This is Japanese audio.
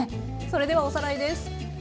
それではおさらいです。